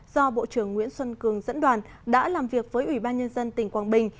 do bộ trưởng nguyễn xuân cường dẫn đoàn đã làm việc với ủy ban nhân dân tỉnh quảng bình